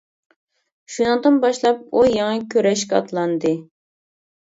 شۇنىڭدىن باشلاپ، ئۇ يېڭى كۈرەشكە ئاتلاندى.